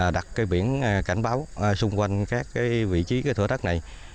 đặt cái biển cảnh báo xung quanh các vị trí thừa đất này